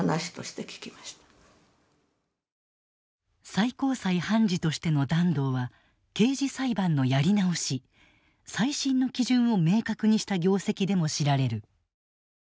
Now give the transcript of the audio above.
最高裁判事としての團藤は刑事裁判のやり直し「再審」の基準を明確にした業績でも知られる。